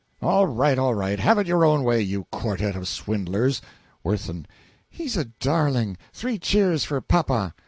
All right, all right have it your own way, you quartette of swindlers! W. He's a darling! Three cheers for papa!